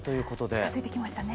近づいてきましたね。